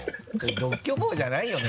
独居房じゃないよね？